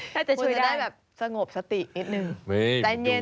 ถ้าจะช่วยได้แบบสงบสตินิดนึง